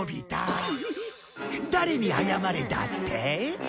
誰に謝れだって？